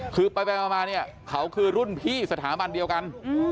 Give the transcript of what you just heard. คือไปมาเนี่ยเขาคือรุ่นพี่สถาบันเดียวกัน